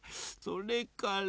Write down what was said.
それから？